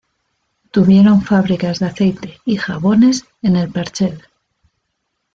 Tuvieron fábricas de aceite y jabones en El Perchel.